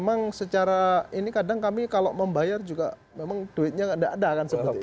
memang secara ini kadang kami kalau membayar juga memang duitnya nggak ada kan seperti itu